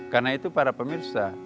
karena itu para pemirsa